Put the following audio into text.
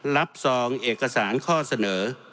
ซองเอกสารข้อเสนอ